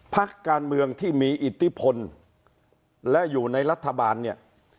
ภารกิจการเมืองที่มีอิติพลและอยู่ในรัฐบาลนี้